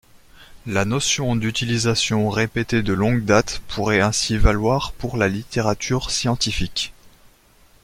La notion d’utilisation répétée de longue date pourrait ainsi valoir pour la littérature scientifique.